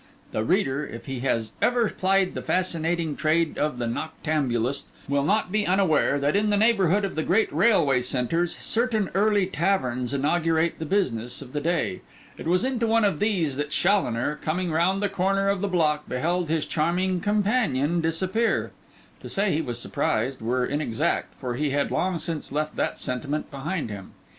The reader, if he has ever plied the fascinating trade of the noctambulist, will not be unaware that, in the neighbourhood of the great railway centres, certain early taverns inaugurate the business of the day. It was into one of these that Challoner, coming round the corner of the block, beheld his charming companion disappear. To say he was surprised were inexact, for he had long since left that sentiment behind him.